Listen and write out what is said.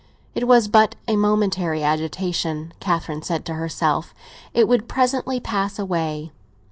It was but a momentary agitation, Catherine said to herself; it would presently pass away.